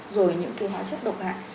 rồi những cái hóa chất độc hại